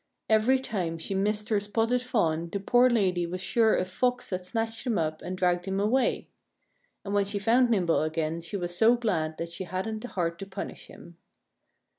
Every time she missed her spotted fawn the poor lady was sure a Fox had snatched him up and dragged him away. And when she found Nimble again she was so glad that she hadn't the heart to punish him.